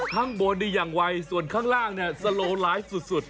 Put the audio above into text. ข้างบนนี่อย่างไวส่วนข้างล่างเนี่ยสโลไลฟ์สุด